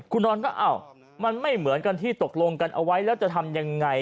คุณนอนก็อ้าวมันไม่เหมือนกันที่ตกลงกันเอาไว้แล้วจะทำยังไง